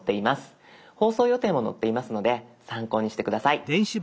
放送予定も載っていますので参考にして下さい。